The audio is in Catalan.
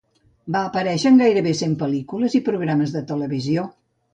Va aparèixer en gairebé cent pel·lícules i programes de televisió.